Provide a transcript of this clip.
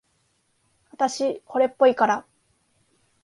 あたし、惚れっぽいから。